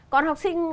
còn học sinh